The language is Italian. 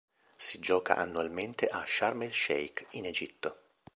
Si gioca annualmente a Sharm el-Sheikh in Egitto.